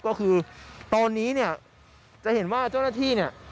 ก็คือตอนนี้เนี่ยจะเห็นว่าเจ้าหน้าที่เนี่ย